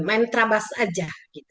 main trabas aja